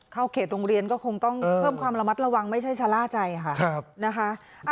เข้าเขตโรงเรียนก็คงต้องเพิ่มความระมัดระวังไม่ใช่ชะล่าใจค่ะนะคะ